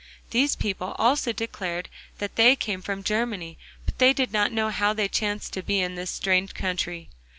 These people also declared that they came from Germany, but they did not know how they chanced to be in this strange country.